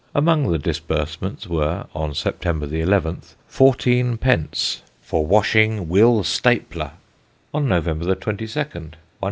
Among the disbursements were, on September 11th, fourteen pence "for washing Will Stapler"; on November 22nd, 1_s.